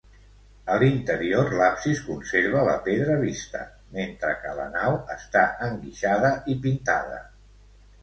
A l'interior l'absis conserva la pedra vista, mentre que la nau està enguixada i pintada.